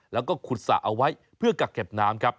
แล้วก็ขุดสระเอาไว้เพื่อกักเก็บน้ำครับ